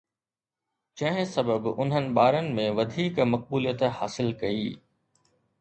جنهن سبب انهن ٻارن ۾ وڌيڪ مقبوليت حاصل ڪئي